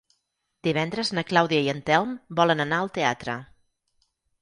Divendres na Clàudia i en Telm volen anar al teatre.